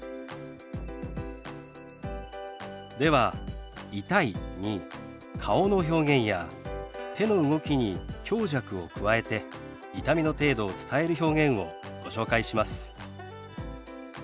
では「痛い」に顔の表現や手の動きに強弱を加えて痛みの程度を伝える表現をご紹介します。